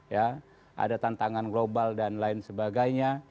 ya ada tantangan global dan lain sebagainya